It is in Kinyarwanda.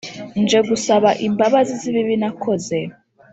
nje gusaba imbabazi z'ibibi nakoze